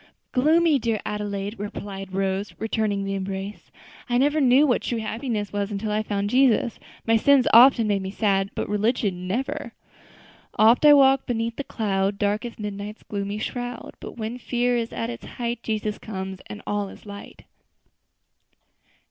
"Gloomy, dear Adelaide!" replied Rose, returning the embrace; "I never knew what true happiness was until I found Jesus. My sins often make me sad, but religion, never. "'Oft I walk beneath the cloud, Dark as midnight's gloomy shroud; But when fear is at the height, Jesus comes, and all is light.'"